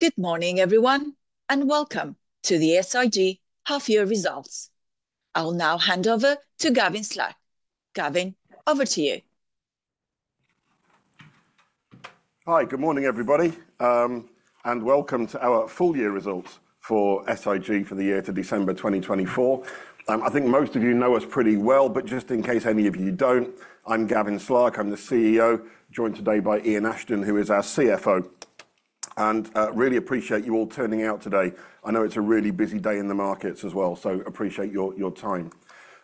Good morning, everyone, and welcome to the SIG half-year results. I'll now hand over to Gavin Slark. Gavin, over to you. Hi, good morning, everybody, and welcome to our full-year results for SIG for the year to December 2024. I think most of you know us pretty well, but just in case any of you do not, I'm Gavin Slark. I'm the CEO, joined today by Ian Ashton, who is our CFO. I really appreciate you all turning out today. I know it's a really busy day in the markets as well, so I appreciate your time.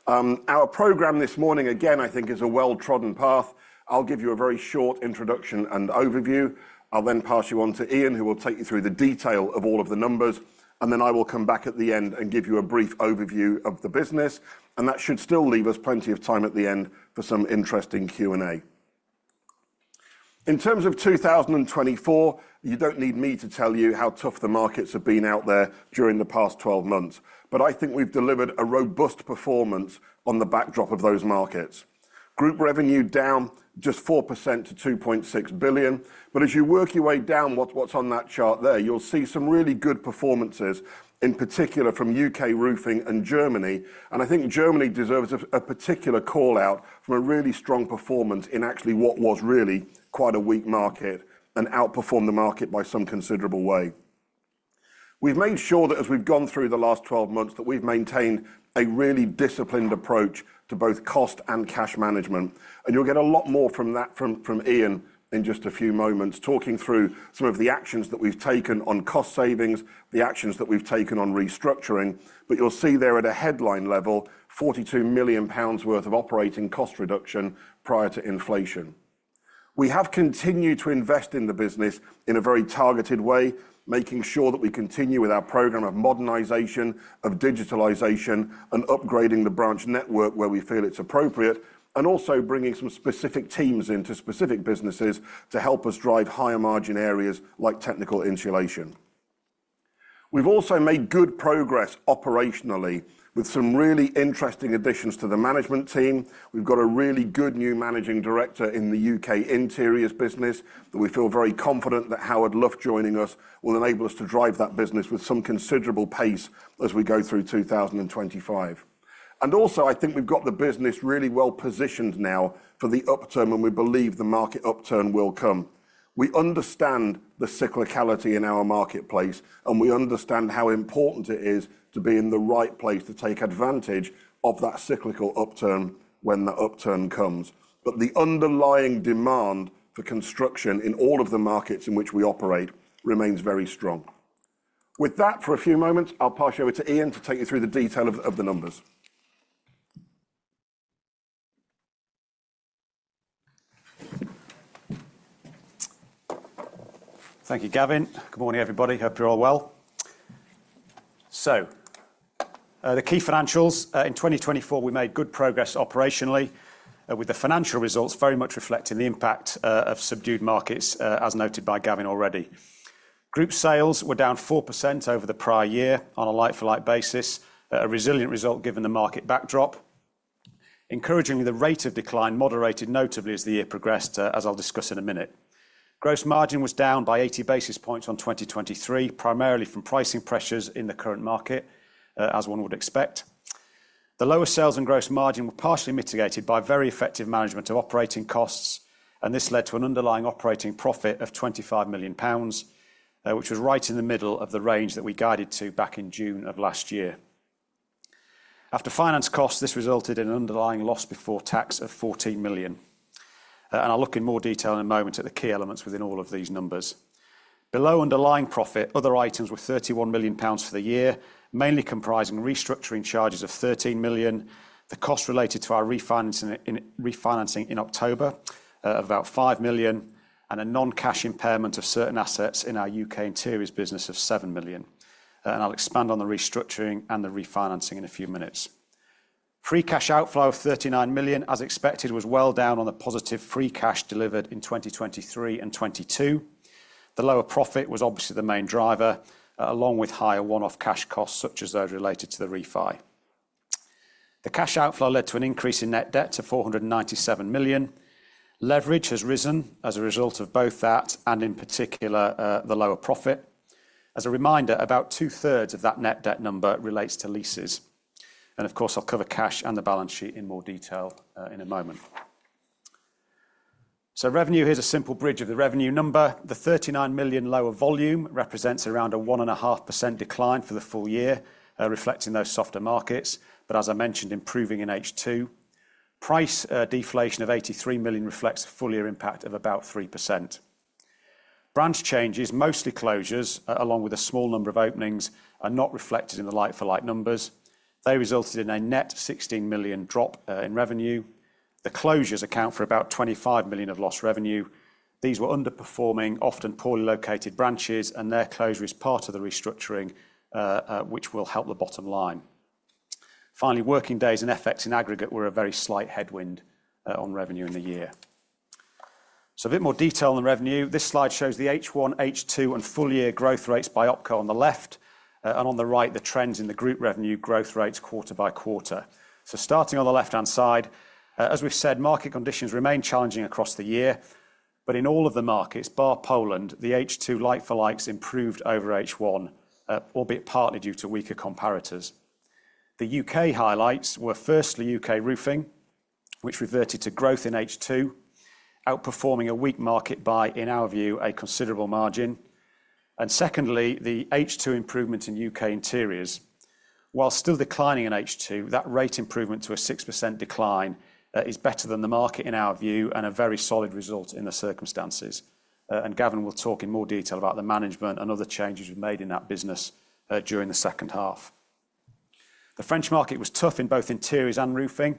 Our program this morning, again, I think, is a well-trodden path. I'll give you a very short introduction and overview. I'll then pass you on to Ian, who will take you through the detail of all of the numbers. I will come back at the end and give you a brief overview of the business. That should still leave us plenty of time at the end for some interesting Q&A. In terms of 2024, you do not need me to tell you how tough the markets have been out there during the past 12 months. I think we have delivered a robust performance on the backdrop of those markets. Group revenue down just 4% to £2.6 billion. As you work your way down, what is on that chart there, you will see some really good performances, in particular from U.K. roofing and Germany. I think Germany deserves a particular call-out for a really strong performance in actually what was really quite a weak market and outperformed the market by some considerable way. We have made sure that as we have gone through the last 12 months, we have maintained a really disciplined approach to both cost and cash management. You will get a lot more from that from Ian in just a few moments, talking through some of the actions that we have taken on cost savings, the actions that we have taken on restructuring. You will see there at a headline level, 42 million pounds worth of operating cost reduction prior to inflation. We have continued to invest in the business in a very targeted way, making sure that we continue with our program of modernization, of digitalization, and upgrading the branch network where we feel it is appropriate, and also bringing some specific teams into specific businesses to help us drive higher margin areas like technical insulation. We have also made good progress operationally with some really interesting additions to the management team. We've got a really good new Managing Director in the U.K. interiors business that we feel very confident that Howard Luft joining us will enable us to drive that business with some considerable pace as we go through 2025. Also, I think we've got the business really well positioned now for the upturn, and we believe the market upturn will come. We understand the cyclicality in our marketplace, and we understand how important it is to be in the right place to take advantage of that cyclical upturn when the upturn comes. The underlying demand for construction in all of the markets in which we operate remains very strong. With that, for a few moments, I'll pass you over to Ian to take you through the detail of the numbers. Thank you, Gavin. Good morning, everybody. Hope you're all well. The key financials in 2024, we made good progress operationally with the financial results very much reflecting the impact of subdued markets, as noted by Gavin already. Group sales were down 4% over the prior year on a like-for-like basis, a resilient result given the market backdrop. Encouragingly, the rate of decline moderated notably as the year progressed, as I'll discuss in a minute. Gross margin was down by 80 basis points on 2023, primarily from pricing pressures in the current market, as one would expect. The lower sales and gross margin were partially mitigated by very effective management of operating costs, and this led to an underlying operating profit of 25 million pounds, which was right in the middle of the range that we guided to back in June of last year. After finance costs, this resulted in an underlying loss before tax of 14 million. I will look in more detail in a moment at the key elements within all of these numbers. Below underlying profit, other items were 31 million pounds for the year, mainly comprising restructuring charges of 13 million, the cost related to our refinancing in October of about 5 million, and a non-cash impairment of certain assets in our U.K. interiors business of 7 million. I will expand on the restructuring and the refinancing in a few minutes. Free cash outflow of 39 million, as expected, was well down on the positive free cash delivered in 2023 and 2022. The lower profit was obviously the main driver, along with higher one-off cash costs such as those related to the refi. The cash outflow led to an increase in net debt to 497 million. Leverage has risen as a result of both that and, in particular, the lower profit. As a reminder, about two-thirds of that net debt number relates to leases. Of course, I'll cover cash and the balance sheet in more detail in a moment. Revenue here is a simple bridge of the revenue number. The 39 million lower volume represents around a 1.5% decline for the full year, reflecting those softer markets, but as I mentioned, improving in H2. Price deflation of 83 million reflects a full-year impact of about 3%. Branch changes, mostly closures, along with a small number of openings, are not reflected in the like-for-like numbers. They resulted in a net 16 million drop in revenue. The closures account for about 25 million of lost revenue. These were underperforming, often poorly located branches, and their closure is part of the restructuring, which will help the bottom line. Finally, working days and effects in aggregate were a very slight headwind on revenue in the year. A bit more detail on the revenue. This slide shows the H1, H2, and full-year growth rates by OpCo on the left, and on the right, the trends in the group revenue growth rates quarter by quarter. Starting on the left-hand side, as we've said, market conditions remain challenging across the year, but in all of the markets, bar Poland, the H2 like-for-likes improved over H1, albeit partly due to weaker comparators. The U.K. highlights were firstly U.K. roofing, which reverted to growth in H2, outperforming a weak market by, in our view, a considerable margin. Secondly, the H2 improvement in U.K. interiors. While still declining in H2, that rate improvement to a 6% decline is better than the market, in our view, and a very solid result in the circumstances. Gavin will talk in more detail about the management and other changes we have made in that business during the second half. The French market was tough in both interiors and roofing,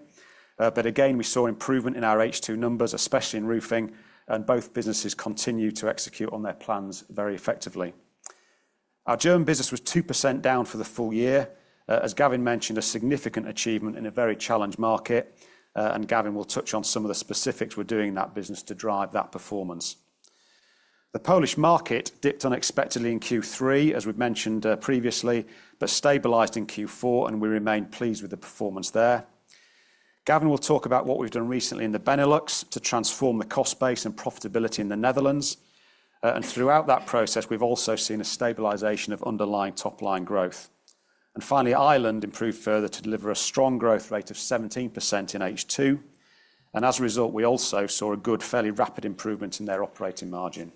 yet we saw improvement in our H2 numbers, especially in roofing, and both businesses continue to execute on their plans very effectively. Our German business was 2% down for the full year, as Gavin mentioned, a significant achievement in a very challenged market, and Gavin will touch on some of the specifics we are doing in that business to drive that performance. The Polish market dipped unexpectedly in Q3, as we have mentioned previously, but stabilized in Q4, and we remain pleased with the performance there. Gavin will talk about what we've done recently in the Benelux to transform the cost base and profitability in the Netherlands. Throughout that process, we've also seen a stabilization of underlying top-line growth. Finally, Ireland improved further to deliver a strong growth rate of 17% in H2. As a result, we also saw a good, fairly rapid improvement in their operating margin.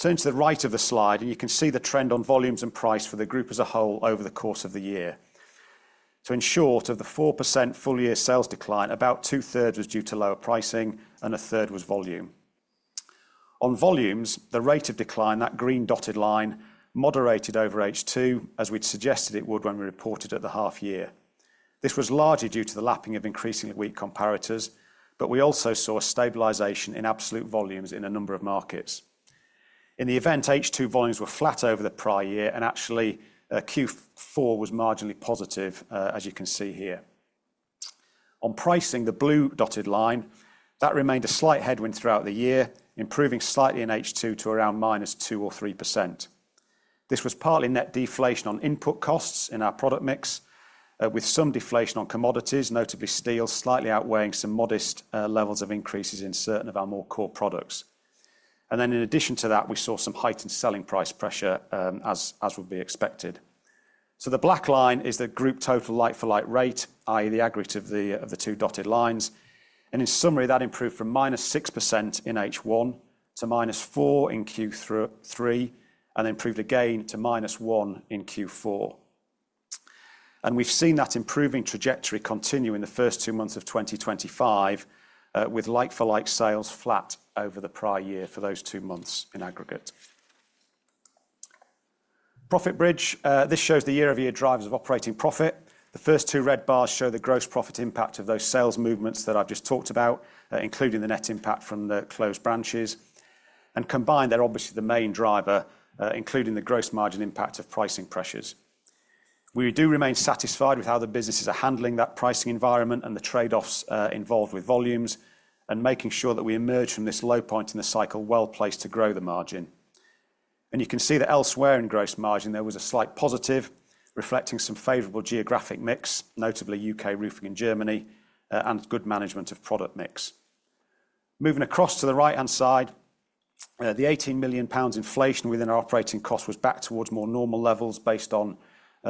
Turn to the right of the slide, and you can see the trend on volumes and price for the group as a whole over the course of the year. In short, of the 4% full-year sales decline, about two-thirds was due to lower pricing, and a third was volume. On volumes, the rate of decline, that green dotted line, moderated over H2, as we'd suggested it would when we reported at the half-year. This was largely due to the lapping of increasingly weak comparators, but we also saw a stabilization in absolute volumes in a number of markets. In the event, H2 volumes were flat over the prior year, and actually, Q4 was marginally positive, as you can see here. On pricing, the blue dotted line, that remained a slight headwind throughout the year, improving slightly in H2 to around -2% or -3%. This was partly net deflation on input costs in our product mix, with some deflation on commodities, notably steel, slightly outweighing some modest levels of increases in certain of our more core products. In addition to that, we saw some heightened selling price pressure, as would be expected. The black line is the group total like-for-like rate, i.e., the aggregate of the two dotted lines. In summary, that improved from minus 6% in H1 to minus 4% in Q3, and improved again to minus 1% in Q4. We have seen that improving trajectory continue in the first two months of 2025, with like-for-like sales flat over the prior year for those two months in aggregate. Profit Bridge, this shows the year-over-year drivers of operating profit. The first two red bars show the gross profit impact of those sales movements that I have just talked about, including the net impact from the closed branches. Combined, they are obviously the main driver, including the gross margin impact of pricing pressures. We do remain satisfied with how the businesses are handling that pricing environment and the trade-offs involved with volumes, and making sure that we emerge from this low point in the cycle well placed to grow the margin. You can see that elsewhere in gross margin, there was a slight positive, reflecting some favorable geographic mix, notably U.K. roofing in Germany and good management of product mix. Moving across to the right-hand side, the 18 million pounds inflation within our operating costs was back towards more normal levels based on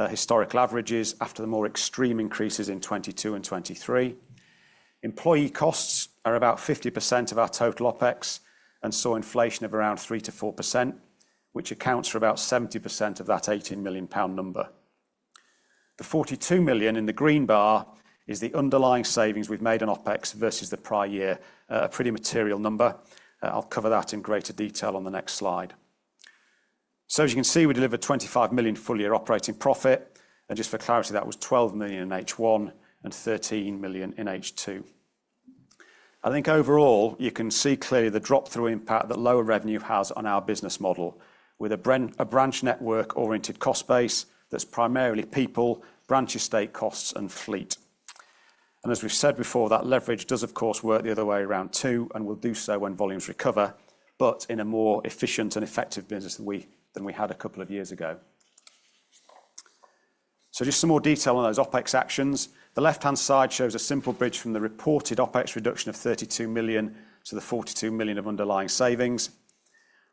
historic leverages after the more extreme increases in 2022 and 2023. Employee costs are about 50% of our total OpEx and saw inflation of around 3-4%, which accounts for about 70% of that 18 million pound number. The 42 million in the green bar is the underlying savings we have made on OpEx versus the prior year, a pretty material number. I will cover that in greater detail on the next slide. As you can see, we delivered 25 million full-year operating profit. Just for clarity, that was 12 million in H1 and 13 million in H2. I think overall, you can see clearly the drop-through impact that lower revenue has on our business model, with a branch network-oriented cost base that is primarily people, branch estate costs, and fleet. As we have said before, that leverage does, of course, work the other way around too, and will do so when volumes recover, but in a more efficient and effective business than we had a couple of years ago. Just some more detail on those OpEx actions. The left-hand side shows a simple bridge from the reported OpEx reduction of 32 million to the 42 million of underlying savings.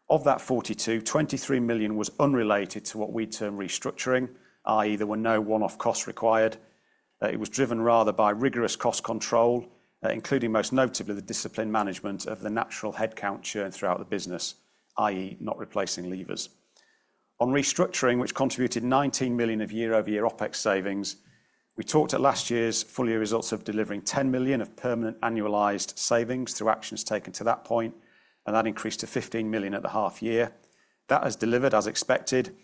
Of that 42 million, 23 million was unrelated to what we term restructuring, i.e., there were no one-off costs required. It was driven rather by rigorous cost control, including most notably the disciplined management of the natural headcount churn throughout the business, i.e., not replacing leavers. On restructuring, which contributed 19 million of year-over-year OpEx savings, we talked at last year's full-year results of delivering 10 million of permanent annualized savings through actions taken to that point, and that increased to 15 million at the half-year. That has delivered as expected,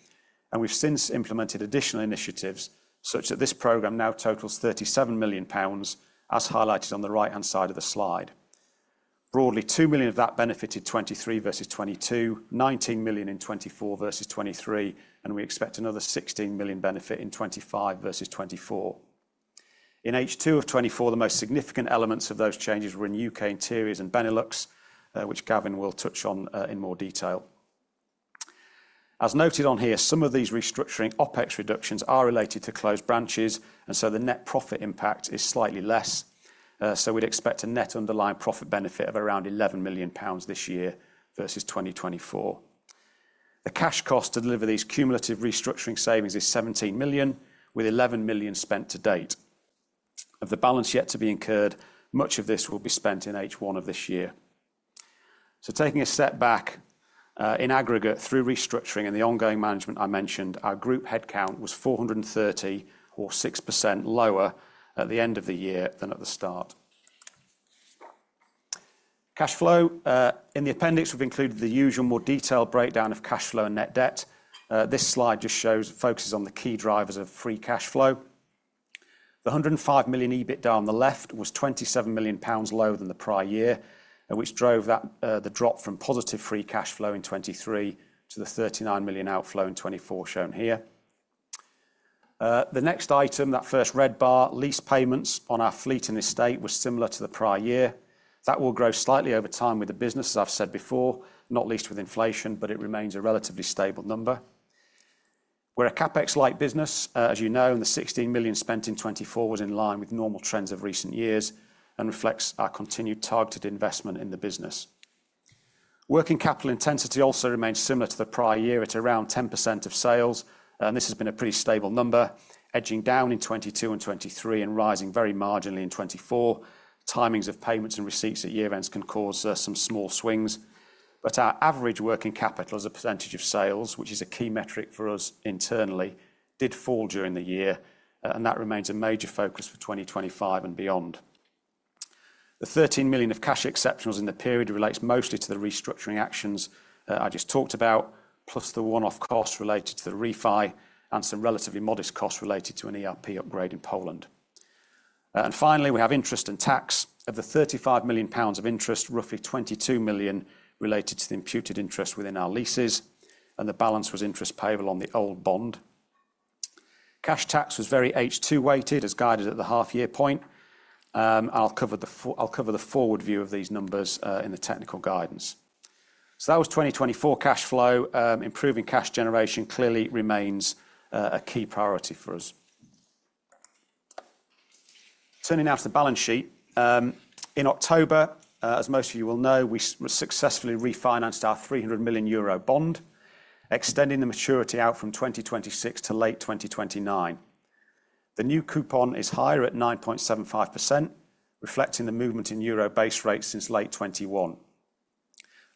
and we've since implemented additional initiatives such that this program now totals 37 million pounds, as highlighted on the right-hand side of the slide. Broadly, 2 million of that benefited 2023 versus 2022, 19 million in 2024 versus 2023, and we expect another 16 million benefit in 2025 versus 2024. In H2 of 2024, the most significant elements of those changes were in U.K. interiors and Benelux, which Gavin will touch on in more detail. As noted on here, some of these restructuring OpEx reductions are related to closed branches, and so the net profit impact is slightly less. We'd expect a net underlying profit benefit of around 11 million pounds this year versus 2024. The cash cost to deliver these cumulative restructuring savings is 17 million, with 11 million spent to date. Of the balance yet to be incurred, much of this will be spent in H1 of this year. Taking a step back, in aggregate, through restructuring and the ongoing management I mentioned, our group headcount was 430, or 6% lower at the end of the year than at the start. Cash flow, in the appendix, we've included the usual more detailed breakdown of cash flow and net debt. This slide just shows, focuses on the key drivers of free cash flow. The 105 million EBITDA on the left was 27 million pounds lower than the prior year, which drove the drop from positive free cash flow in 2023 to the 39 million outflow in 2024 shown here. The next item, that first red bar, lease payments on our fleet and estate, was similar to the prior year. That will grow slightly over time with the business, as I've said before, not least with inflation, but it remains a relatively stable number. We're a CapEx-light business, as you know, and the 16 million spent in 2024 was in line with normal trends of recent years and reflects our continued targeted investment in the business. Working capital intensity also remains similar to the prior year at around 10% of sales, and this has been a pretty stable number, edging down in 2022 and 2023 and rising very marginally in 2024. Timings of payments and receipts at year-ends can cause some small swings, but our average working capital as a percentage of sales, which is a key metric for us internally, did fall during the year, and that remains a major focus for 2025 and beyond. The 13 million of cash exceptionals in the period relates mostly to the restructuring actions I just talked about, plus the one-off costs related to the refi and some relatively modest costs related to an ERP upgrade in Poland. Finally, we have interest and tax. Of the 35 million pounds of interest, roughly 22 million related to the imputed interest within our leases, and the balance was interest payable on the old bond. Cash tax was very H2-weighted, as guided at the half-year point. I will cover the forward view of these numbers in the technical guidance. That was 2024 cash flow. Improving cash generation clearly remains a key priority for us. Turning now to the balance sheet. In October, as most of you will know, we successfully refinanced our 300 million euro bond, extending the maturity out from 2026 to late 2029. The new coupon is higher at 9.75%, reflecting the movement in Euro base rates since late 2021.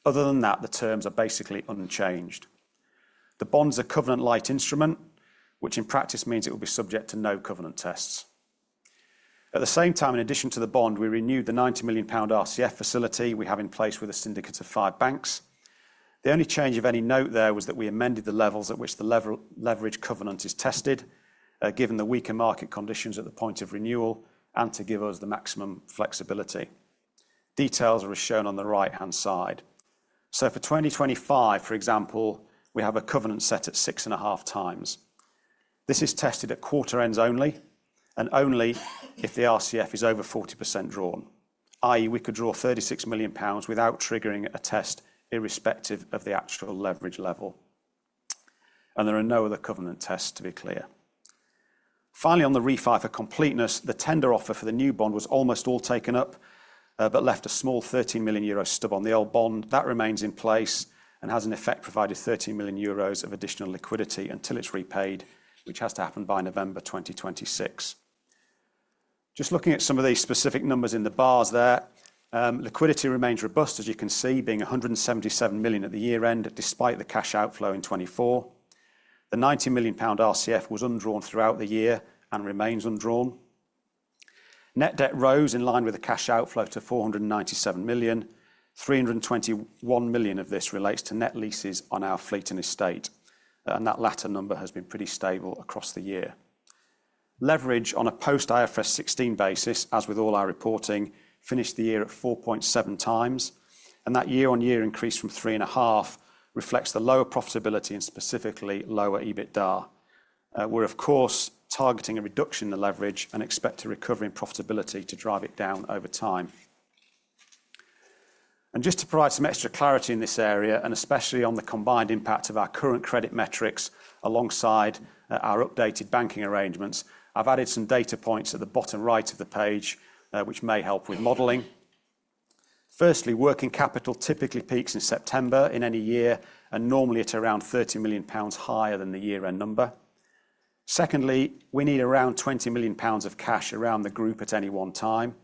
Other than that, the terms are basically unchanged. The bond's a covenant-light instrument, which in practice means it will be subject to no covenant tests. At the same time, in addition to the bond, we renewed the 90 million pound RCF facility we have in place with a syndicate of five banks. The only change of any note there was that we amended the levels at which the leverage covenant is tested, given the weaker market conditions at the point of renewal, and to give us the maximum flexibility. Details are as shown on the right-hand side. For 2025, for example, we have a covenant set at 6.5 times. This is tested at quarter-ends only, and only if the RCF is over 40% drawn, i.e., we could draw 36 million pounds without triggering a test irrespective of the actual leverage level. There are no other covenant tests, to be clear. Finally, on the refi for completeness, the tender offer for the new bond was almost all taken up, but left a small 13 million euro stub on the old bond. That remains in place and has in effect provided 13 million euros of additional liquidity until it is repaid, which has to happen by November 2026. Just looking at some of these specific numbers in the bars there, liquidity remains robust, as you can see, being 177 million at the year-end despite the cash outflow in 2024. The 90 million pound RCF was undrawn throughout the year and remains undrawn. Net debt rose in line with the cash outflow to 497 million. 321 million of this relates to net leases on our fleet and estate, and that latter number has been pretty stable across the year. Leverage on a post-IFRS 16 basis, as with all our reporting, finished the year at 4.7 times, and that year-on-year increase from three and a half reflects the lower profitability and specifically lower EBITDA. We're, of course, targeting a reduction in the leverage and expect a recovery in profitability to drive it down over time. Just to provide some extra clarity in this area, and especially on the combined impact of our current credit metrics alongside our updated banking arrangements, I've added some data points at the bottom right of the page, which may help with modelling. Firstly, working capital typically peaks in September in any year, and normally at around 30 million pounds higher than the year-end number. Secondly, we need around 20 million pounds of cash around the group at any one time.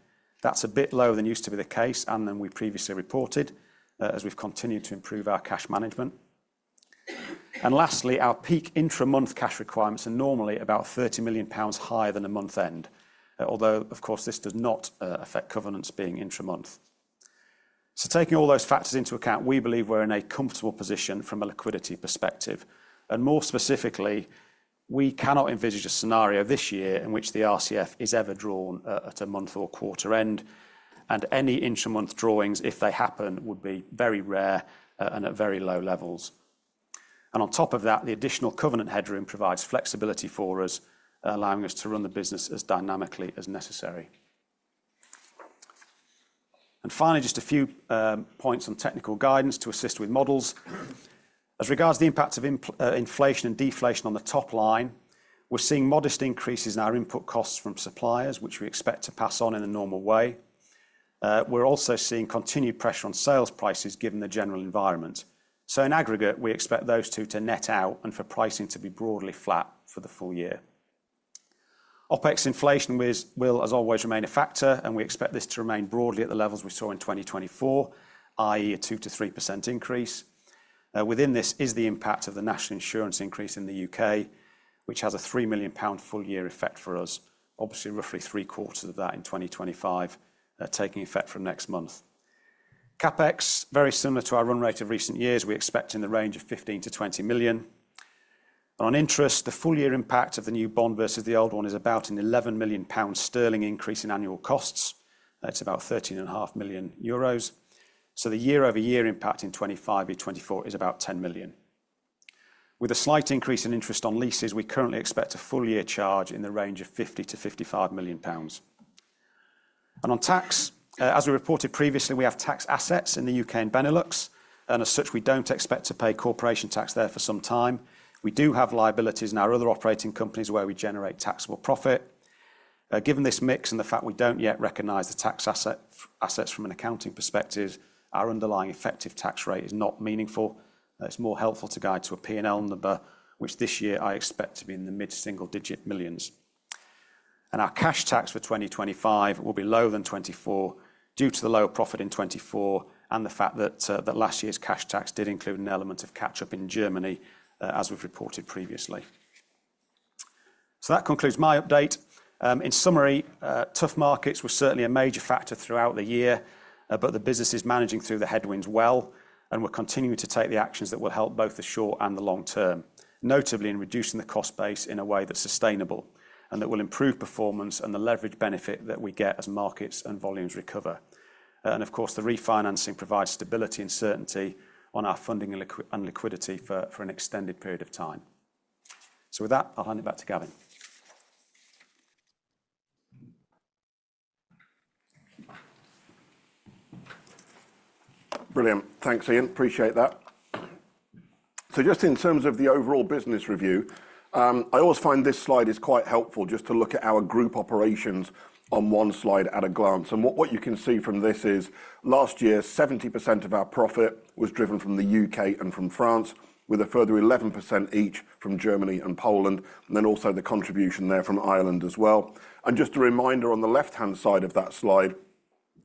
That's a bit lower than used to be the case, and than we previously reported, as we've continued to improve our cash management. Lastly, our peak intra-month cash requirements are normally about 30 million pounds higher than a month-end, although, of course, this does not affect covenants being intra-month. Taking all those factors into account, we believe we're in a comfortable position from a liquidity perspective. More specifically, we cannot envisage a scenario this year in which the RCF is ever drawn at a month or quarter-end, and any intra-month drawings, if they happen, would be very rare and at very low levels. On top of that, the additional covenant headroom provides flexibility for us, allowing us to run the business as dynamically as necessary. Finally, just a few points on technical guidance to assist with models. As regards the impacts of inflation and deflation on the top line, we're seeing modest increases in our input costs from suppliers, which we expect to pass on in a normal way. We're also seeing continued pressure on sales prices given the general environment. In aggregate, we expect those two to net out and for pricing to be broadly flat for the full year. OpEx inflation will, as always, remain a factor, and we expect this to remain broadly at the levels we saw in 2024, i.e., a 2-3% increase. Within this is the impact of the national insurance increase in the U.K., which has a 3 million pound full-year effect for us, obviously roughly three-quarters of that in 2025 taking effect from next month. CapEx, very similar to our run rate of recent years, we expect in the range of 15-20 million. On interest, the full-year impact of the new bond versus the old one is about a 11 million pound increase in annual costs. That is about 13.5 million euros. The year-over-year impact in 2025 vs. 2024 is about 10 million. With a slight increase in interest on leases, we currently expect a full-year charge in the range of 50-55 million pounds. On tax, as we reported previously, we have tax assets in the U.K. and Benelux, and as such, we do not expect to pay corporation tax there for some time. We do have liabilities in our other operating companies where we generate taxable profit. Given this mix and the fact we do not yet recognize the tax assets from an accounting perspective, our underlying effective tax rate is not meaningful. It is more helpful to guide to a P&L number, which this year I expect to be in the mid-single-digit millions. Our cash tax for 2025 will be lower than 2024 due to the lower profit in 2024 and the fact that last year's cash tax did include an element of catch-up in Germany, as we have reported previously. That concludes my update. In summary, tough markets were certainly a major factor throughout the year, but the business is managing through the headwinds well and we're continuing to take the actions that will help both the short and the long term, notably in reducing the cost base in a way that's sustainable and that will improve performance and the leverage benefit that we get as markets and volumes recover. Of course, the refinancing provides stability and certainty on our funding and liquidity for an extended period of time. With that, I'll hand it back to Gavin. Brilliant. Thanks, Ian. Appreciate that. Just in terms of the overall business review, I always find this slide is quite helpful just to look at our group operations on one slide at a glance. What you can see from this is last year, 70% of our profit was driven from the U.K. and from France, with a further 11% each from Germany and Poland, and then also the contribution there from Ireland as well. Just a reminder on the left-hand side of that slide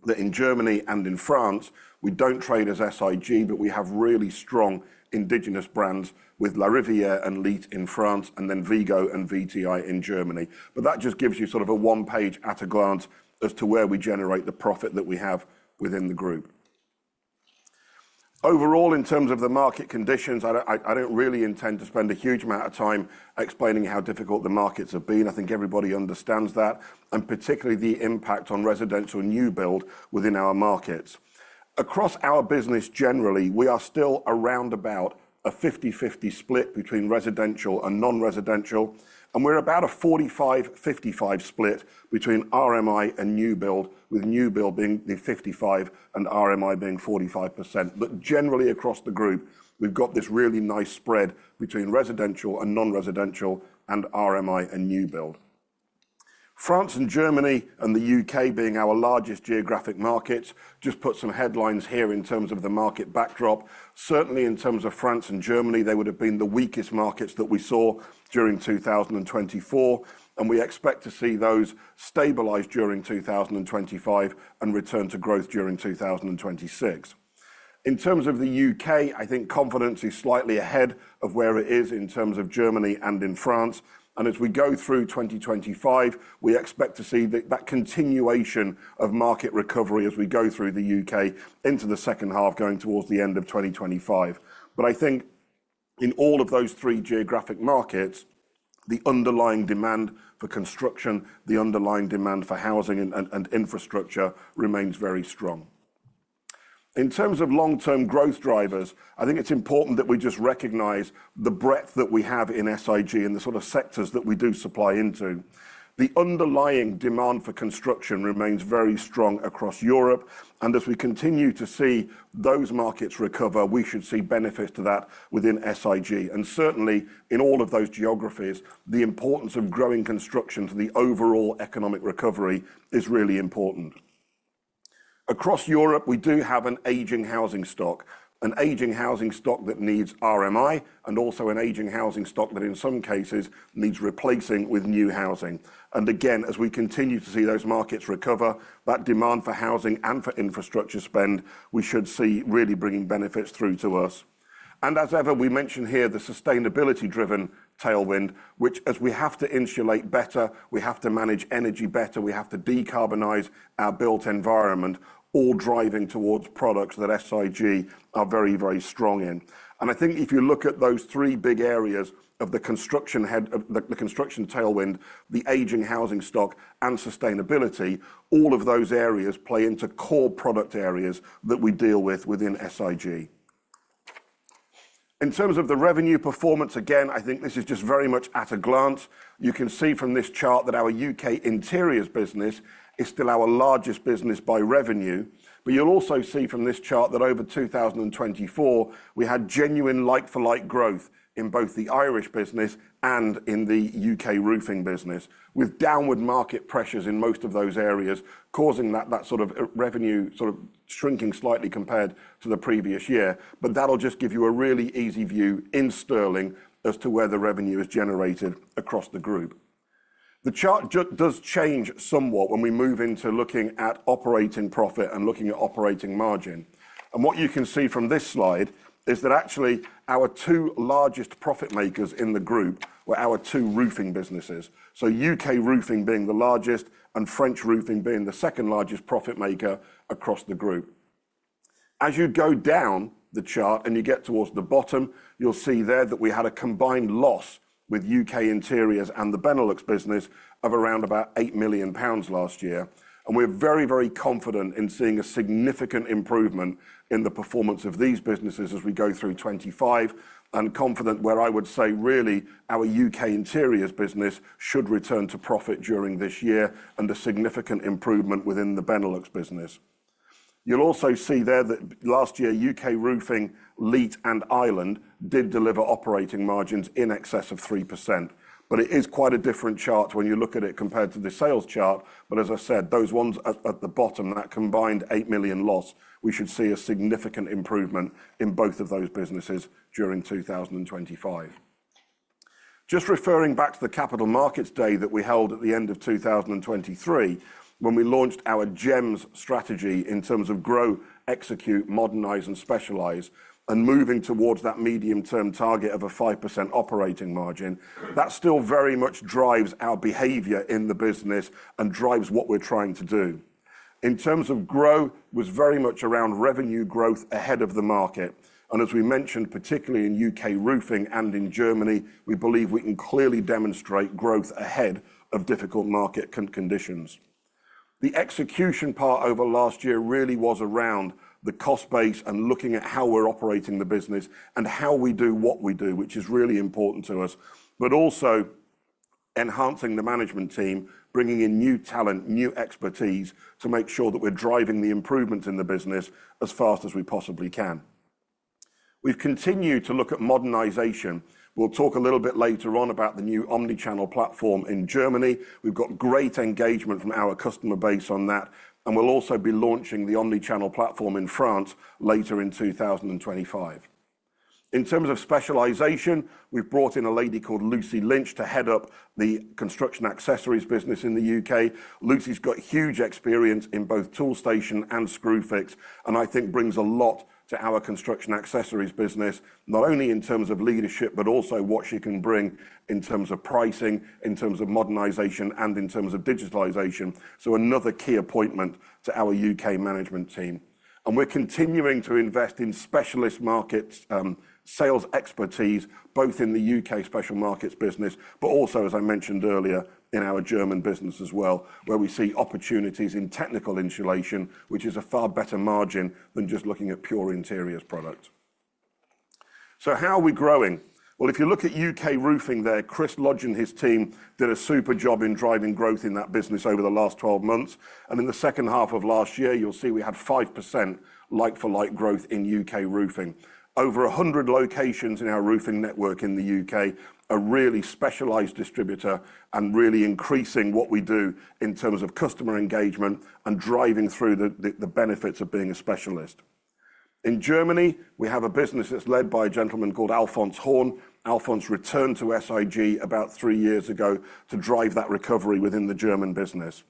that in Germany and in France, we do not trade as SIG, but we have really strong indigenous brands with Larivière and LiTT in France, and then Vigo and VTI in Germany. That just gives you sort of a one-page at a glance as to where we generate the profit that we have within the group. Overall, in terms of the market conditions, I do not really intend to spend a huge amount of time explaining how difficult the markets have been. I think everybody understands that, and particularly the impact on residential and new build within our markets. Across our business generally, we are still around about a 50/50 split between residential and non-residential, and we're about a 45/55 split between RMI and new build, with new build being the 55% and RMI being 45%. Generally across the group, we've got this really nice spread between residential and non-residential and RMI and new build. France and Germany and the U.K. being our largest geographic markets just put some headlines here in terms of the market backdrop. Certainly in terms of France and Germany, they would have been the weakest markets that we saw during 2024, and we expect to see those stabilize during 2025 and return to growth during 2026. In terms of the U.K., I think confidence is slightly ahead of where it is in terms of Germany and in France. As we go through 2025, we expect to see that continuation of market recovery as we go through the U.K. into the second half, going towards the end of 2025. I think in all of those three geographic markets, the underlying demand for construction, the underlying demand for housing and infrastructure remains very strong. In terms of long-term growth drivers, I think it's important that we just recognize the breadth that we have in SIG and the sort of sectors that we do supply into. The underlying demand for construction remains very strong across Europe, and as we continue to see those markets recover, we should see benefits to that within SIG. Certainly in all of those geographies, the importance of growing construction to the overall economic recovery is really important. Across Europe, we do have an aging housing stock, an aging housing stock that needs RMI, and also an aging housing stock that in some cases needs replacing with new housing. Again, as we continue to see those markets recover, that demand for housing and for infrastructure spend, we should see really bringing benefits through to us. As ever, we mentioned here the sustainability-driven tailwind, which, as we have to insulate better, we have to manage energy better, we have to decarbonize our built environment, all driving towards products that SIG are very, very strong in. I think if you look at those three big areas of the construction tailwind, the aging housing stock and sustainability, all of those areas play into core product areas that we deal with within SIG. In terms of the revenue performance, again, I think this is just very much at a glance. You can see from this chart that our U.K. interiors business is still our largest business by revenue, but you'll also see from this chart that over 2024, we had genuine like-for-like growth in both the Irish business and in the U.K. roofing business, with downward market pressures in most of those areas causing that sort of revenue sort of shrinking slightly compared to the previous year. That'll just give you a really easy view in GBP as to where the revenue is generated across the group. The chart does change somewhat when we move into looking at operating profit and looking at operating margin. What you can see from this slide is that actually our two largest profit makers in the group were our two roofing businesses. U.K. roofing being the largest and French roofing being the second largest profit maker across the group. As you go down the chart and you get towards the bottom, you'll see there that we had a combined loss with U.K. interiors and the Benelux business of around about 8 million pounds last year. We are very, very confident in seeing a significant improvement in the performance of these businesses as we go through 2025 and confident where I would say really our U.K. interiors business should return to profit during this year and the significant improvement within the Benelux business. You'll also see there that last year U.K. roofing, Leet and Ireland did deliver operating margins in excess of 3%. It is quite a different chart when you look at it compared to the sales chart. As I said, those ones at the bottom, that combined 8 million loss, we should see a significant improvement in both of those businesses during 2025. Just referring back to the capital markets day that we held at the end of 2023, when we launched our GEMS strategy in terms of grow, execute, modernise and specialise and moving towards that medium-term target of a 5% operating margin, that still very much drives our behaviour in the business and drives what we're trying to do. In terms of grow, it was very much around revenue growth ahead of the market. As we mentioned, particularly in U.K. roofing and in Germany, we believe we can clearly demonstrate growth ahead of difficult market conditions. The execution part over last year really was around the cost base and looking at how we're operating the business and how we do what we do, which is really important to us, but also enhancing the management team, bringing in new talent, new expertise to make sure that we're driving the improvements in the business as fast as we possibly can. We've continued to look at modernisation. We'll talk a little bit later on about the new omnichannel platform in Germany. We've got great engagement from our customer base on that, and we'll also be launching the omnichannel platform in France later in 2025. In terms of specialisation, we've brought in a lady called Lucy Lynch to head up the construction accessories business in the U.K. Lucy's got huge experience in both Toolstation and Screwfix, and I think brings a lot to our construction accessories business, not only in terms of leadership, but also what she can bring in terms of pricing, in terms of modernisation and in terms of digitalisation. Another key appointment to our U.K. management team. We're continuing to invest in specialist markets, sales expertise, both in the U.K. special markets business, but also, as I mentioned earlier, in our German business as well, where we see opportunities in technical insulation, which is a far better margin than just looking at pure interiors products. How are we growing? If you look at U.K. roofing there, Chris Lodge and his team did a super job in driving growth in that business over the last 12 months. In the second half of last year, you'll see we had 5% like-for-like growth in U.K. roofing. Over 100 locations in our roofing network in the U.K., a really specialised distributor and really increasing what we do in terms of customer engagement and driving through the benefits of being a specialist. In Germany, we have a business that's led by a gentleman called Alfons Horn. Alfons returned to SIG about three years ago to drive that recovery within the German business.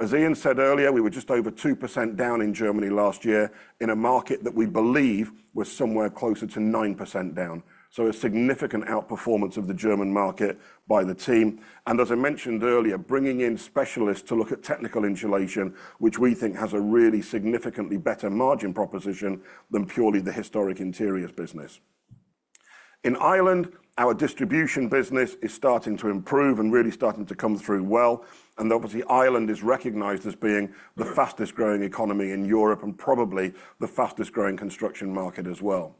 As Ian said earlier, we were just over 2% down in Germany last year in a market that we believe was somewhere closer to 9% down. A significant outperformance of the German market by the team. As I mentioned earlier, bringing in specialists to look at technical insulation, which we think has a really significantly better margin proposition than purely the historic interiors business. In Ireland, our distribution business is starting to improve and really starting to come through well. Ireland is recognized as being the fastest growing economy in Europe and probably the fastest growing construction market as well.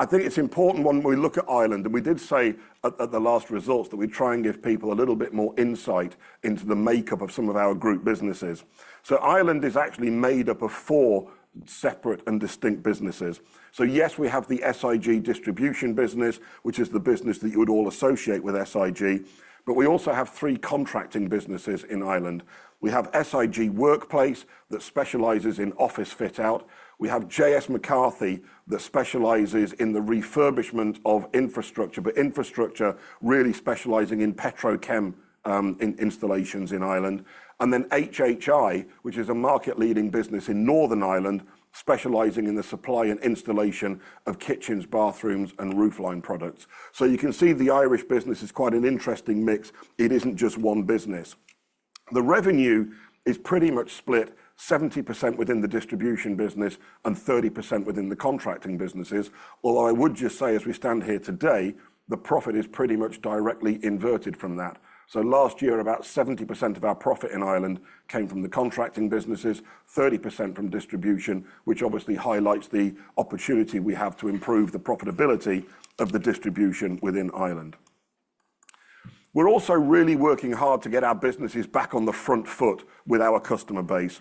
I think it's important when we look at Ireland, and we did say at the last results that we try and give people a little bit more insight into the makeup of some of our group businesses. Ireland is actually made up of four separate and distinct businesses. Yes, we have the SIG distribution business, which is the business that you would all associate with SIG, but we also have three contracting businesses in Ireland. We have SIG Workplace that specializes in office fit-out. We have JS McCarthy that specializes in the refurbishment of infrastructure, but infrastructure really specializing in petrochemical installations in Ireland. HHI, which is a market-leading business in Northern Ireland, specialising in the supply and installation of kitchens, bathrooms, and roofline products. You can see the Irish business is quite an interesting mix. It is not just one business. The revenue is pretty much split 70% within the distribution business and 30% within the contracting businesses, although I would just say as we stand here today, the profit is pretty much directly inverted from that. Last year, about 70% of our profit in Ireland came from the contracting businesses, 30% from distribution, which obviously highlights the opportunity we have to improve the profitability of the distribution within Ireland. We are also really working hard to get our businesses back on the front foot with our customer base.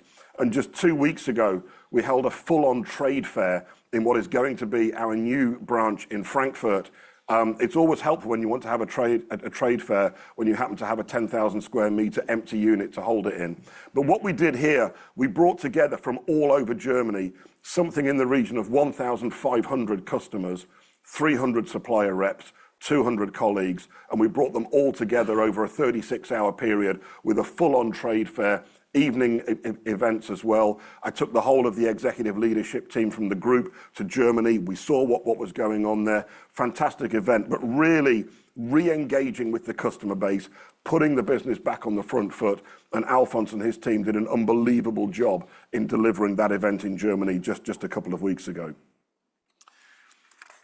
Just two weeks ago, we held a full-on trade fair in what is going to be our new branch in Frankfurt. It's always helpful when you want to have a trade fair when you happen to have a 10,000 sq m empty unit to hold it in. What we did here, we brought together from all over Germany something in the region of 1,500 customers, 300 supplier reps, 200 colleagues, and we brought them all together over a 36-hour period with a full-on trade fair, evening events as well. I took the whole of the executive leadership team from the group to Germany. We saw what was going on there. Fantastic event, really re-engaging with the customer base, putting the business back on the front foot, and Alfons and his team did an unbelievable job in delivering that event in Germany just a couple of weeks ago.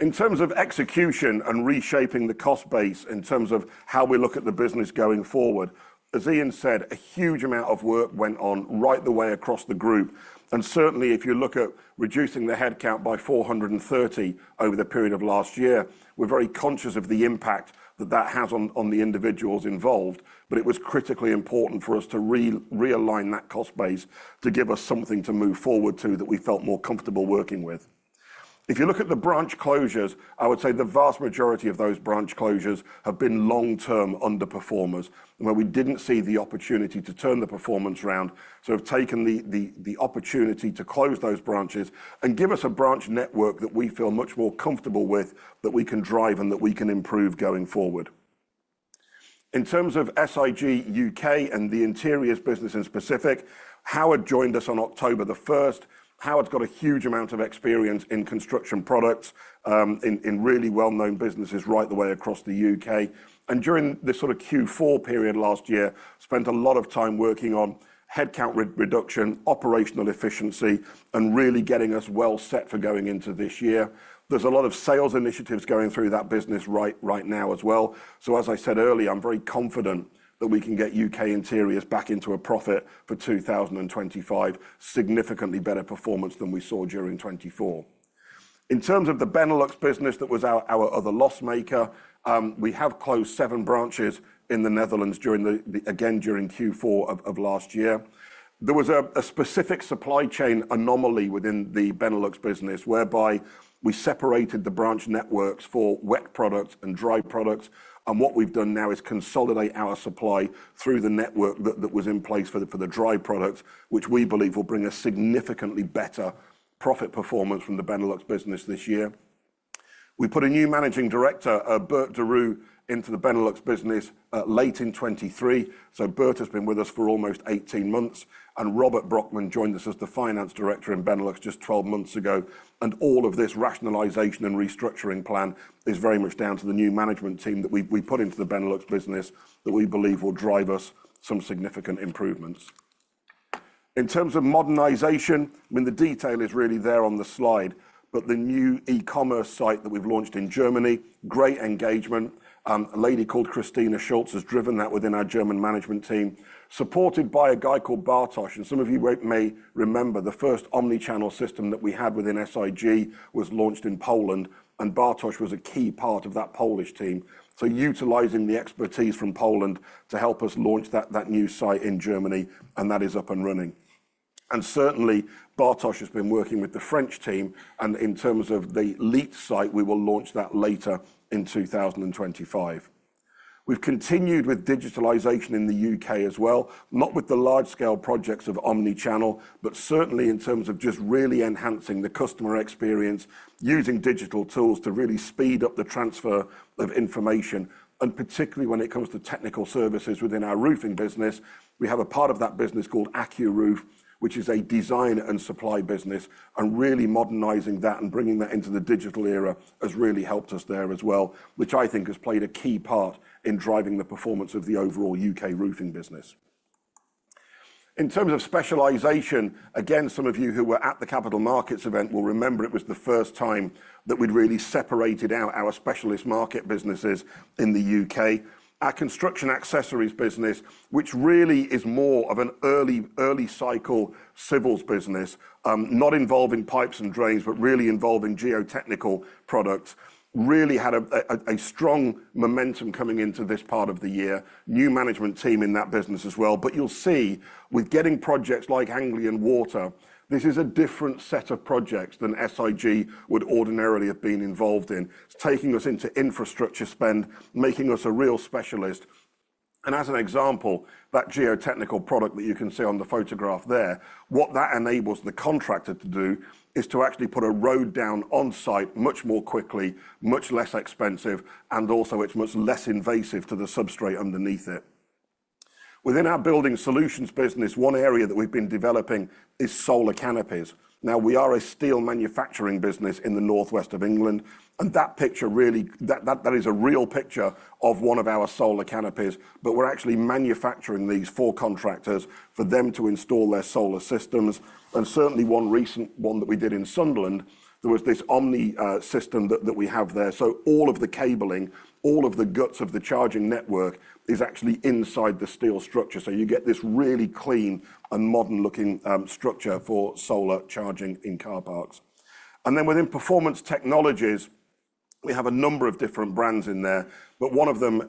In terms of execution and reshaping the cost base in terms of how we look at the business going forward, as Ian said, a huge amount of work went on right the way across the group. Certainly, if you look at reducing the headcount by 430 over the period of last year, we're very conscious of the impact that that has on the individuals involved, but it was critically important for us to realign that cost base to give us something to move forward to that we felt more comfortable working with. If you look at the branch closures, I would say the vast majority of those branch closures have been long-term underperformers where we did not see the opportunity to turn the performance around. We have taken the opportunity to close those branches and give us a branch network that we feel much more comfortable with, that we can drive and that we can improve going forward. In terms of SIG U.K. and the interiors business in specific, Howard joined us on October 1. Howard's got a huge amount of experience in construction products in really well-known businesses right the way across the U.K. During this sort of Q4 period last year, spent a lot of time working on headcount reduction, operational efficiency, and really getting us well set for going into this year. There are a lot of sales initiatives going through that business right now as well. As I said earlier, I am very confident that we can get U.K. interiors back into a profit for 2025, significantly better performance than we saw during 2024. In terms of the Benelux business that was our other loss maker, we have closed seven branches in the Netherlands again during Q4 of last year. There was a specific supply chain anomaly within the Benelux business whereby we separated the branch networks for wet products and dry products. What we have done now is consolidate our supply through the network that was in place for the dry products, which we believe will bring a significantly better profit performance from the Benelux business this year. We put a new Managing Director, Bert De Ruyt, into the Benelux business late in 2023. Bert has been with us for almost 18 months, and Robert Broekman joined us as the Finance Director in Benelux just 12 months ago. All of this rationalisation and restructuring plan is very much down to the new management team that we put into the Benelux business that we believe will drive us some significant improvements. In terms of modernisation, I mean, the detail is really there on the slide, but the new e-commerce site that we've launched in Germany, great engagement. A lady called Christina Schultz has driven that within our German management team, supported by a guy called Bartosz. Some of you may remember the first omnichannel system that we had within SIG was launched in Poland, and Bartosz was a key part of that Polish team. Utilising the expertise from Poland to help us launch that new site in Germany, and that is up and running. Certainly, Bartosz has been working with the French team. In terms of the Leet site, we will launch that later in 2025. We've continued with digitalization in the U.K. as well, not with the large-scale projects of omnichannel, but certainly in terms of just really enhancing the customer experience using digital tools to really speed up the transfer of information. Particularly when it comes to technical services within our roofing business, we have a part of that business called AccuRoof, which is a design and supply business. Really modernizing that and bringing that into the digital era has really helped us there as well, which I think has played a key part in driving the performance of the overall U.K. roofing business. In terms of specialisation, again, some of you who were at the capital markets event will remember it was the first time that we'd really separated out our specialist market businesses in the U.K. Our construction accessories business, which really is more of an early cycle civils business, not involving pipes and drains, but really involving geotechnical products, really had a strong momentum coming into this part of the year. New management team in that business as well. You'll see with getting projects like Anglian Water, this is a different set of projects than SIG would ordinarily have been involved in. It's taking us into infrastructure spend, making us a real specialist. As an example, that geotechnical product that you can see on the photograph there, what that enables the contractor to do is to actually put a road down on site much more quickly, much less expensive, and also it is much less invasive to the substrate underneath it. Within our building solutions business, one area that we have been developing is solar canopies. We are a steel manufacturing business in the northwest of England, and that picture really, that is a real picture of one of our solar canopies, but we are actually manufacturing these for contractors for them to install their solar systems. Certainly one recent one that we did in Sunderland, there was this Omni system that we have there. All of the cabling, all of the guts of the charging network is actually inside the steel structure. You get this really clean and modern-looking structure for solar charging in car parks. Within performance technologies, we have a number of different brands in there, but one of them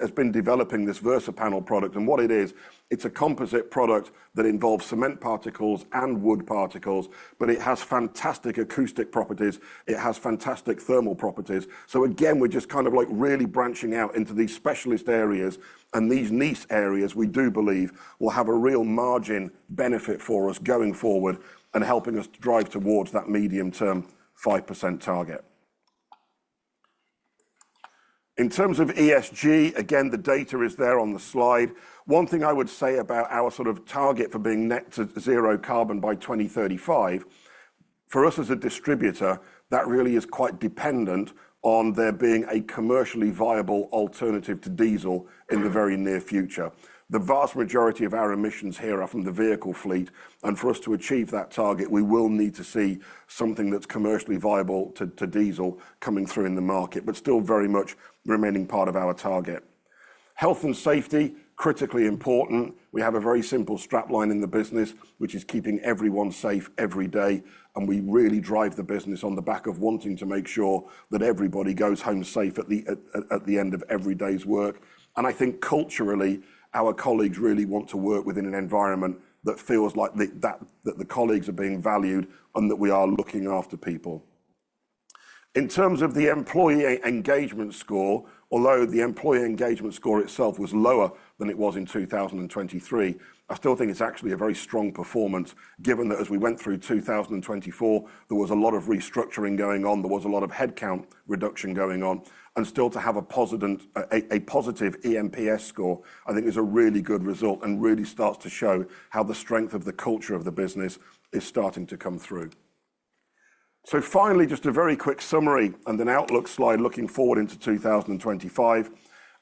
has been developing this Versapanel product. What it is, it's a composite product that involves cement particles and wood particles, but it has fantastic acoustic properties. It has fantastic thermal properties. We are just kind of like really branching out into these specialist areas and these niche areas we do believe will have a real margin benefit for us going forward and helping us drive towards that medium-term 5% target. In terms of ESG, the data is there on the slide. One thing I would say about our sort of target for being net to zero carbon by 2035, for us as a distributor, that really is quite dependent on there being a commercially viable alternative to diesel in the very near future. The vast majority of our emissions here are from the vehicle fleet. For us to achieve that target, we will need to see something that's commercially viable to diesel coming through in the market, but still very much remaining part of our target. Health and safety, critically important. We have a very simple strapline in the business, which is keeping everyone safe every day. We really drive the business on the back of wanting to make sure that everybody goes home safe at the end of every day's work. I think culturally, our colleagues really want to work within an environment that feels like the colleagues are being valued and that we are looking after people. In terms of the employee engagement score, although the employee engagement score itself was lower than it was in 2023, I still think it's actually a very strong performance given that as we went through 2024, there was a lot of restructuring going on, there was a lot of headcount reduction going on. Still, to have a positive EMPS score, I think is a really good result and really starts to show how the strength of the culture of the business is starting to come through. Finally, just a very quick summary and an outlook slide looking forward into 2025.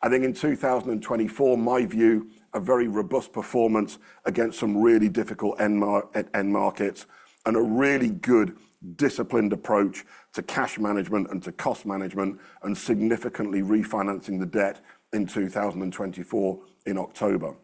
I think in 2024, my view, a very robust performance against some really difficult end markets and a really good disciplined approach to cash management and to cost management and significantly refinancing the debt in 2024 in October.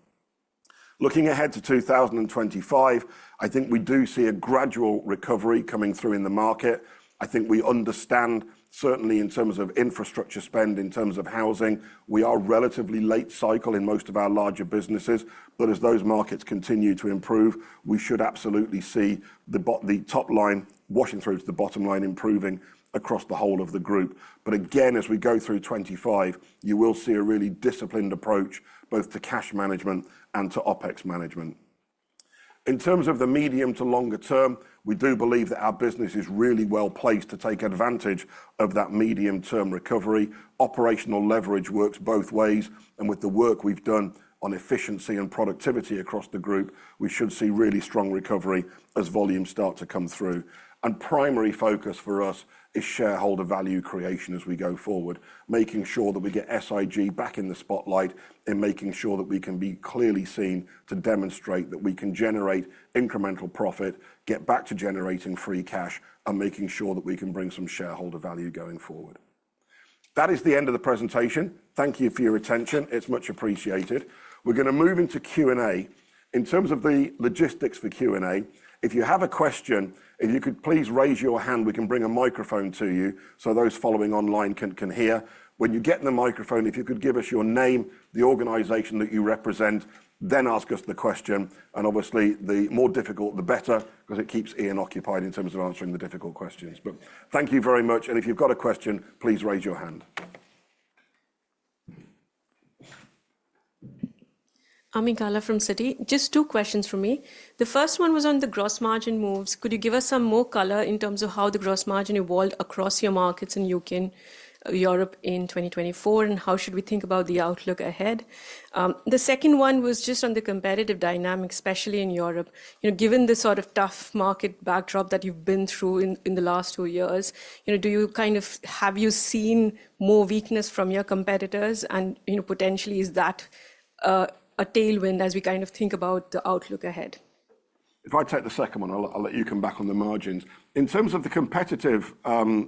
Looking ahead to 2025, I think we do see a gradual recovery coming through in the market. I think we understand certainly in terms of infrastructure spend, in terms of housing, we are relatively late cycle in most of our larger businesses. As those markets continue to improve, we should absolutely see the top line washing through to the bottom line improving across the whole of the group. Again, as we go through 2025, you will see a really disciplined approach both to cash management and to OpEx management. In terms of the medium to longer term, we do believe that our business is really well placed to take advantage of that medium-term recovery. Operational leverage works both ways. With the work we have done on efficiency and productivity across the group, we should see really strong recovery as volumes start to come through. The primary focus for us is shareholder value creation as we go forward, making sure that we get SIG back in the spotlight and making sure that we can be clearly seen to demonstrate that we can generate incremental profit, get back to generating free cash, and making sure that we can bring some shareholder value going forward. That is the end of the presentation. Thank you for your attention. It is much appreciated. We are going to move into Q&A. In terms of the logistics for Q&A, if you have a question, if you could please raise your hand, we can bring a microphone to you so those following online can hear. When you get the microphone, if you could give us your name, the organization that you represent, then ask us the question. Obviously, the more difficult, the better because it keeps Ian occupied in terms of answering the difficult questions. Thank you very much. If you've got a question, please raise your hand. I'm Ami Galla from Citi. Just two questions for me. The first one was on the gross margin moves. Could you give us some more color in terms of how the gross margin evolved across your markets in Europe in 2024, and how should we think about the outlook ahead? The second one was just on the competitive dynamic, especially in Europe. Given the sort of tough market backdrop that you've been through in the last two years, do you kind of have you seen more weakness from your competitors? And potentially, is that a tailwind as we kind of think about the outlook ahead? If I take the second one, I'll let you come back on the margins. In terms of the competitive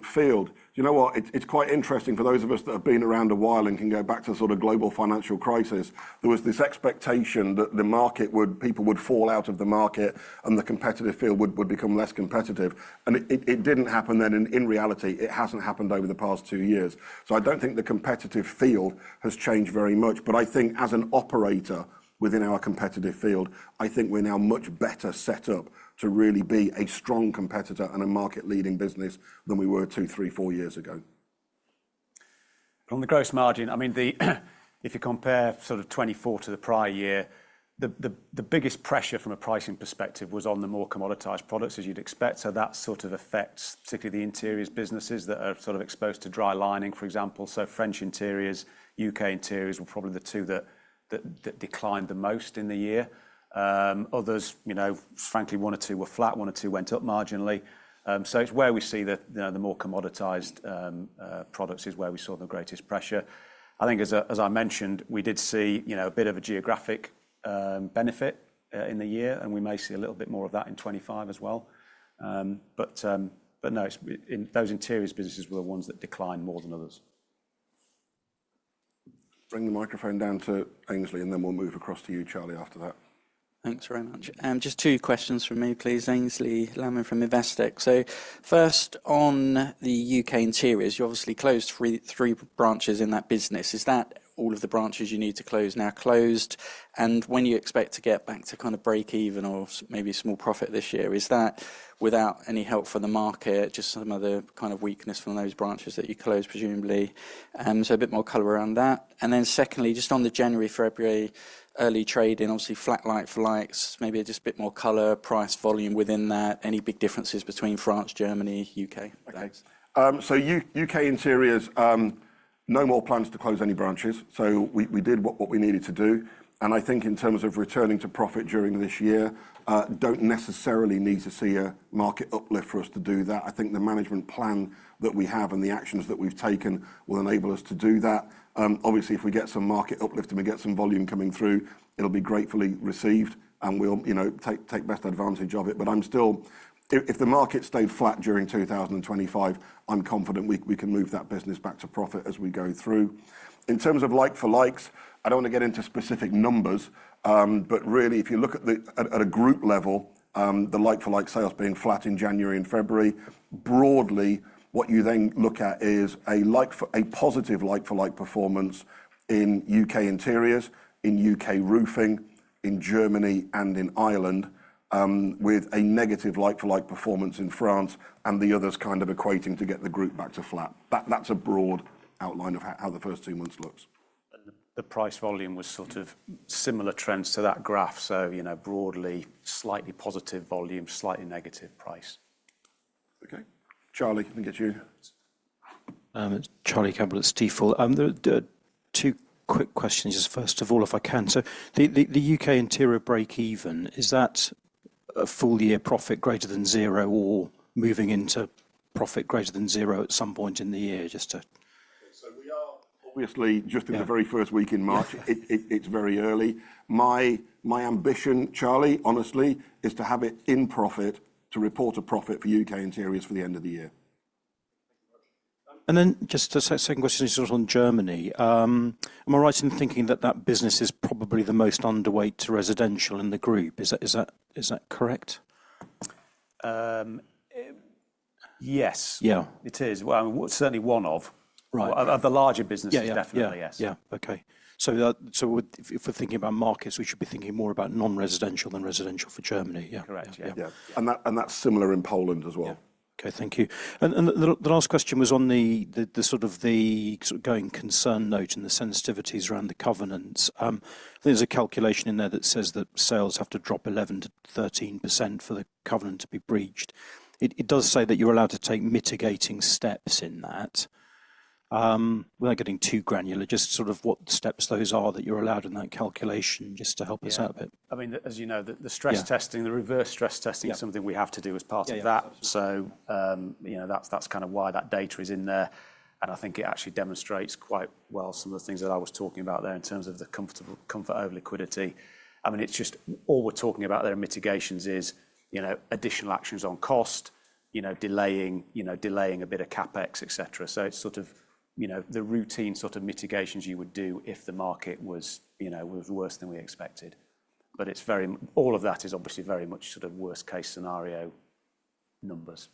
field, do you know what? It's quite interesting for those of us that have been around a while and can go back to the sort of global financial crisis. There was this expectation that the market would, people would fall out of the market and the competitive field would become less competitive. It didn't happen then. In reality, it hasn't happened over the past two years. I don't think the competitive field has changed very much. I think as an operator within our competitive field, I think we're now much better set up to really be a strong competitor and a market-leading business than we were two, three, four years ago. On the gross margin, I mean, if you compare sort of 2024 to the prior year, the biggest pressure from a pricing perspective was on the more commoditised products, as you'd expect. That sort of affects particularly the interiors businesses that are exposed to dry lining, for example. French Interiors, U.K. interiors were probably the two that declined the most in the year. Others, frankly, one or two were flat, one or two went up marginally. It is where we see the more commoditised products is where we saw the greatest pressure. I think as I mentioned, we did see a bit of a geographic benefit in the year, and we may see a little bit more of that in 2025 as well. Those interiors businesses were the ones that declined more than others. Bring the microphone down to Aynsley, and then we'll move across to you, Charlie, after that. Thanks very much. Just two questions from me, please. Aynsley Lammin from Investec. First, on the U.K. interiors, you obviously closed three branches in that business. Is that all of the branches you need to close now closed? When you expect to get back to kind of break-even or maybe small profit this year, is that without any help from the market, just some of the kind of weakness from those branches that you closed presumably? A bit more color around that. Secondly, just on the January, February early trading, obviously flat like-for-likes, maybe just a bit more color, price, volume within that, any big differences between France, Germany, U.K.? U.K. interiors, no more plans to close any branches. We did what we needed to do. I think in terms of returning to profit during this year, do not necessarily need to see a market uplift for us to do that. I think the management plan that we have and the actions that we have taken will enable us to do that. Obviously, if we get some market uplift and we get some volume coming through, it will be gratefully received and we will take best advantage of it. I am still, if the market stayed flat during 2025, confident we can move that business back to profit as we go through. In terms of like-for-likes, I don't want to get into specific numbers, but really if you look at a group level, the like-for-like sales being flat in January and February, broadly, what you then look at is a positive like-for-like performance in U.K. interiors, in U.K. roofing, in Germany, and in Ireland, with a negative like-for-like performance in France and the others kind of equating to get the group back to flat. That's a broad outline of how the first two months looks. The price volume was sort of similar trends to that graph. So broadly, slightly positive volume, slightly negative price. Okay. Charlie, let me get you. It's Charlie Campbell. It's Teya. Two quick questions. First of all, if I can, so the U.K. interior break even, is that a full year profit greater than zero or moving into profit greater than zero at some point in the year? We are obviously just in the very first week in March. It's very early. My ambition, Charlie, honestly, is to have it in profit, to report a profit for U.K. interiors for the end of the year. Just a second question is sort of on Germany. Am I right in thinking that that business is probably the most underweight to residential in the group? Is that correct? Yes. Yeah, it is. Certainly one of the larger businesses, definitely. Yes. Yeah. Okay. If we're thinking about markets, we should be thinking more about non-residential than residential for Germany. Yeah. Correct. Yeah. That's similar in Poland as well. Okay. Thank you. The last question was on the sort of going concern note and the sensitivities around the covenants. There's a calculation in there that says that sales have to drop 11-13% for the covenant to be breached. It does say that you're allowed to take mitigating steps in that. Without getting too granular, just sort of what steps those are that you're allowed in that calculation just to help us out a bit. I mean, as you know, the stress testing, the reverse stress testing is something we have to do as part of that. That is kind of why that data is in there. I think it actually demonstrates quite well some of the things that I was talking about there in terms of the comfort over liquidity. I mean, it is just all we are talking about there in mitigations is additional actions on cost, delaying a bit of CapEx, etc. It is sort of the routine sort of mitigations you would do if the market was worse than we expected. All of that is obviously very much sort of worst-case scenario numbers.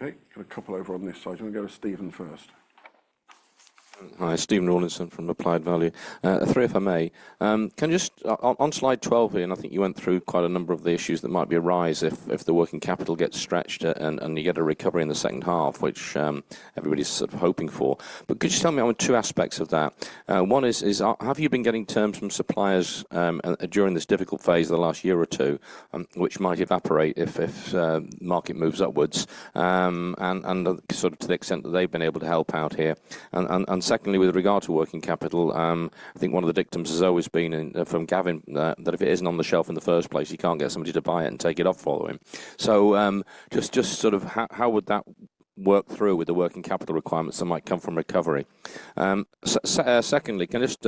Okay. Got a couple over on this side. Do you want to go to Stephen first? Hi, Stephen Rawlinson from Applied Value. Three if I may. On Slide 12 here, and I think you went through quite a number of the issues that might arise if the working capital gets stretched and you get a recovery in the second half, which everybody's sort of hoping for. Could you tell me on two aspects of that? One is, have you been getting terms from suppliers during this difficult phase of the last year or two, which might evaporate if market moves upwards and sort of to the extent that they've been able to help out here? Secondly, with regard to working capital, I think one of the dictums has always been from Gavin that if it isn't on the shelf in the first place, you can't get somebody to buy it and take it up for them. Just sort of how would that work through with the working capital requirements that might come from recovery? Secondly, can I just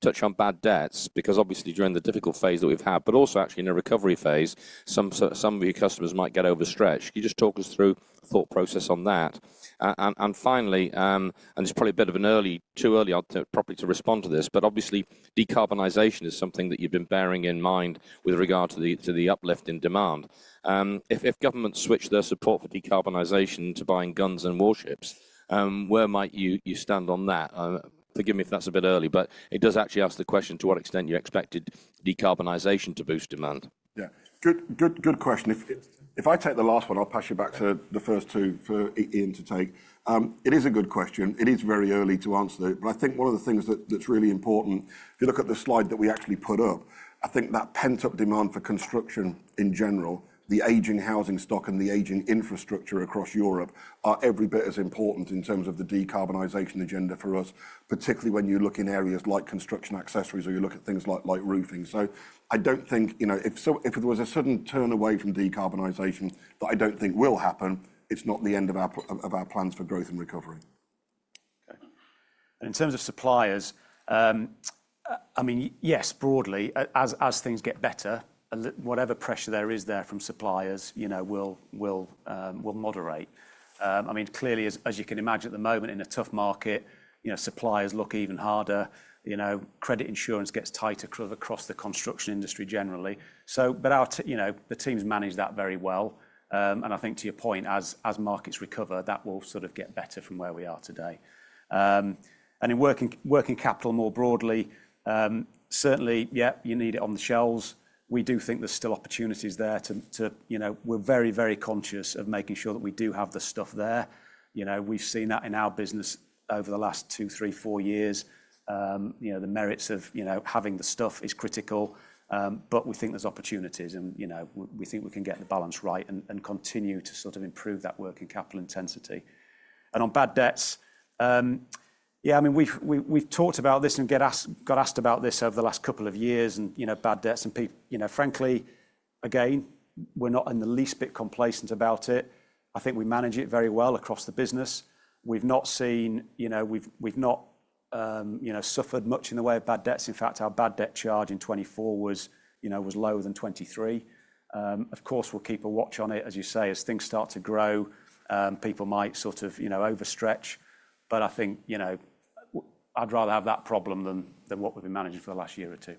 touch on bad debts? Because obviously during the difficult phase that we've had, but also actually in a recovery phase, some of your customers might get overstretched. Can you just talk us through a thought process on that? Finally, and it's probably a bit of an early, too early probably to respond to this, but obviously decarbonisation is something that you've been bearing in mind with regard to the uplift in demand. If governments switch their support for decarbonisation to buying guns and warships, where might you stand on that? Forgive me if that's a bit early, but it does actually ask the question to what extent you expected decarbonisation to boost demand. Yeah. Good question. If I take the last one, I'll pass you back to the first two for Ian to take. It is a good question. It is very early to answer it. I think one of the things that's really important, if you look at the slide that we actually put up, I think that pent-up demand for construction in general, the aging housing stock and the aging infrastructure across Europe are every bit as important in terms of the decarbonisation agenda for us, particularly when you look in areas like construction accessories or you look at things like roofing. I don't think if there was a sudden turn away from decarbonisation that I don't think will happen, it's not the end of our plans for growth and recovery. Okay. In terms of suppliers, I mean, yes, broadly, as things get better, whatever pressure there is there from suppliers will moderate. I mean, clearly, as you can imagine at the moment, in a tough market, suppliers look even harder. Credit insurance gets tighter across the construction industry generally. The teams manage that very well. I think to your point, as markets recover, that will sort of get better from where we are today. In working capital more broadly, certainly, yeah, you need it on the shelves. We do think there's still opportunities there to we're very, very conscious of making sure that we do have the stuff there. We've seen that in our business over the last two, three, four years. The merits of having the stuff is critical, but we think there's opportunities and we think we can get the balance right and continue to sort of improve that working capital intensity. On bad debts, yeah, I mean, we've talked about this and got asked about this over the last couple of years and bad debts. Frankly, again, we're not in the least bit complacent about it. I think we manage it very well across the business. We've not seen, we've not suffered much in the way of bad debts. In fact, our bad debt charge in 2024 was lower than 2023. Of course, we'll keep a watch on it, as you say, as things start to grow. People might sort of overstretch, but I think I'd rather have that problem than what we've been managing for the last year or two.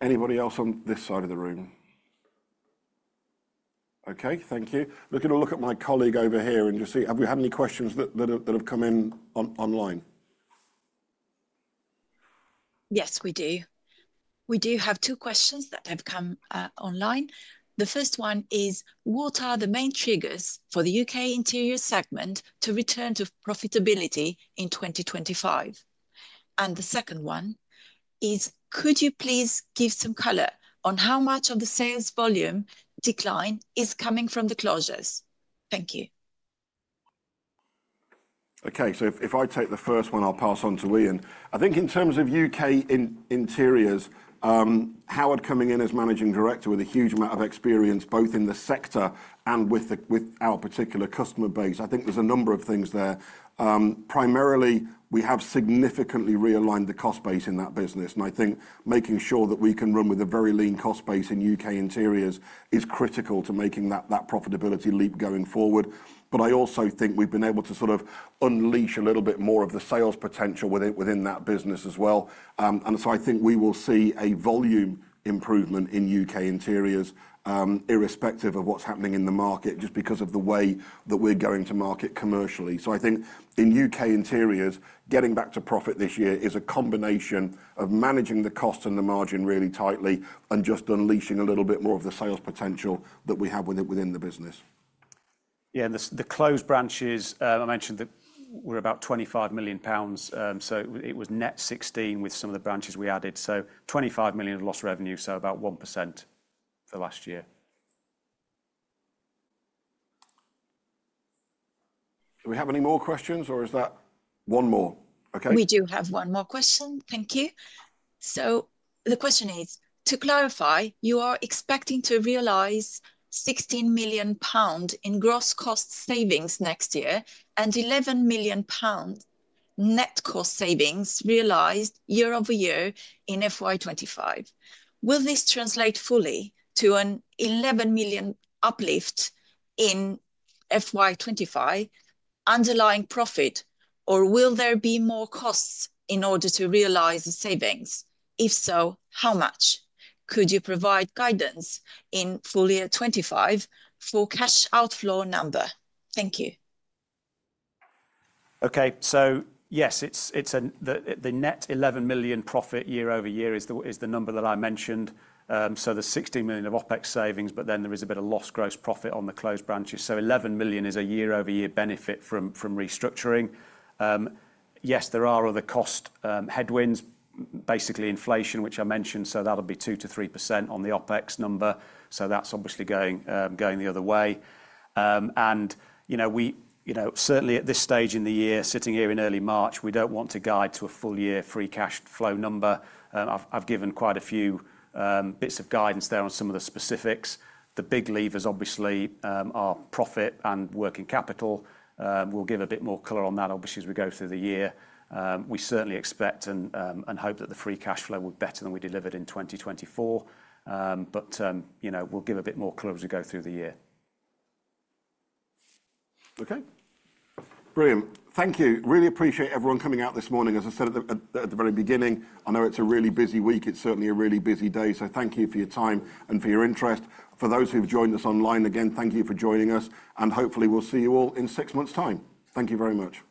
Anybody else on this side of the room? Okay. Thank you. Looking to look at my colleague over here and just see, have we had any questions that have come in online? Yes, we do. We do have two questions that have come online. The first one is, what are the main triggers for the U.K. interior segment to return to profitability in 2025? The second one is, could you please give some color on how much of the sales volume decline is coming from the closures? Thank you. Okay. If I take the first one, I'll pass on to Ian. I think in terms of U.K. interiors, Howard coming in as Managing Director with a huge amount of experience both in the sector and with our particular customer base, I think there's a number of things there. Primarily, we have significantly realigned the cost base in that business. I think making sure that we can run with a very lean cost base in U.K. interiors is critical to making that profitability leap going forward. I also think we've been able to sort of unleash a little bit more of the sales potential within that business as well. I think we will see a volume improvement in U.K. interiors irrespective of what's happening in the market just because of the way that we're going to market commercially. I think in U.K. interiors, getting back to profit this year is a combination of managing the cost and the margin really tightly and just unleashing a little bit more of the sales potential that we have within the business. Yeah. The closed branches I mentioned were about 25 million pounds. It was net 16 with some of the branches we added. 25 million of lost revenue, about 1% for last year. Do we have any more questions or is that one more? Okay. We do have one more question. Thank you. The question is, to clarify, you are expecting to realise 16 million pound in gross cost savings next year and 11 million pound net cost savings realised year over year in FY 2025. Will this translate fully to an 11 million uplift in FY 2025 underlying profit, or will there be more costs in order to realise the savings? If so, how much? Could you provide guidance in full year 2025 for cash outflow number? Thank you. Okay. Yes, the net 11 million profit year over year is the number that I mentioned. There is 16 million of OpEx savings, but then there is a bit of lost gross profit on the closed branches. 11 million is a year over year benefit from restructuring. Yes, there are other cost headwinds, basically inflation, which I mentioned. That will be 2%-3% on the OpEx number. That is obviously going the other way. Certainly at this stage in the year, sitting here in early March, we do not want to guide to a full year free cash flow number. I have given quite a few bits of guidance there on some of the specifics. The big levers obviously are profit and working capital. We will give a bit more color on that obviously as we go through the year. We certainly expect and hope that the free cash flow will be better than we delivered in 2024. We will give a bit more color as we go through the year. Okay. Brilliant. Thank you. Really appreciate everyone coming out this morning. As I said at the very beginning, I know it's a really busy week. It's certainly a really busy day. Thank you for your time and for your interest. For those who've joined us online, again, thank you for joining us. Hopefully we'll see you all in six months' time. Thank you very much.